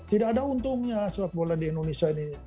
tidak ada untungnya sepak bola di indonesia ini